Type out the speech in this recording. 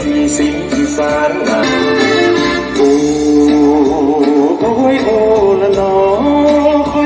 มีเสียวหักห่วงใยมีหวานใยเพียงผู้หญิงมาก